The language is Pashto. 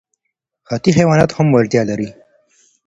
حتی حیوانات هم وړتیا لري.